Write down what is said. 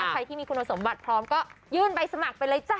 ใครที่มีคุณสมบัติพร้อมก็ยื่นใบสมัครไปเลยจ้ะ